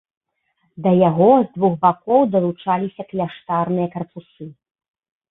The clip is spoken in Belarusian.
Да яго з двух бакоў далучаліся кляштарныя карпусы.